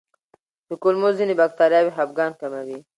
د کولمو ځینې بکتریاوې خپګان کموي.